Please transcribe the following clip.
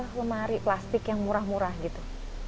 lemari plastik yang murah murah gitu